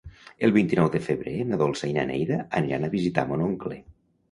El vint-i-nou de febrer na Dolça i na Neida aniran a visitar mon oncle.